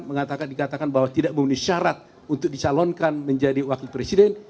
mengatakan dikatakan bahwa tidak memenuhi syarat untuk dicalonkan menjadi wakil presiden